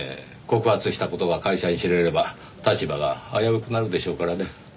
告発した事が会社に知れれば立場が危うくなるでしょうからね。